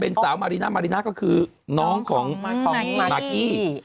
เป็นสาวมาริน่ามาริน่าก็คือน้องของมากกี้